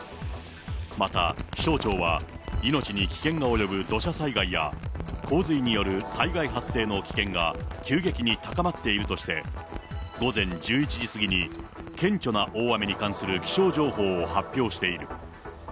また気象庁は、命に危険が及ぶ土砂災害や、洪水による災害発生の危険が急激に高まっているとして、午前１１時過ぎに、顕著な大雨に関する気象情報を発表している。